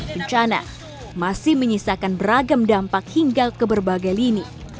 bencana masih menyisakan beragam dampak hingga ke berbagai lini